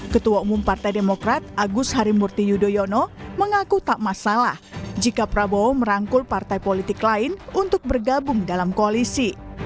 ketua umum partai demokrat agus harimurti yudhoyono mengaku tak masalah jika prabowo merangkul partai politik lain untuk bergabung dalam koalisi